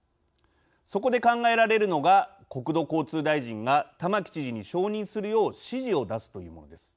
そこで考えられるのが国土交通大臣が玉城知事に承認するよう指示を出すというものです。